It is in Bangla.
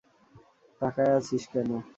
তাকায়া আছিস কেন?